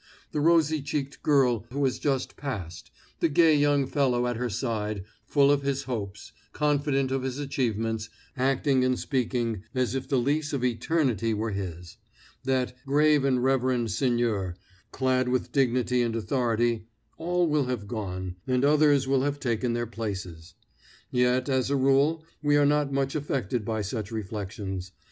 The rosy cheeked girl who has just passed; the gay young fellow at her side, full of his hopes, confident of his achievements, acting and speaking as if the lease of eternity were his; that "grave and reverend seigneur," clad with dignity and authority all will have gone, and others will have taken their places. Yet, as a rule, we are not much affected by such reflections.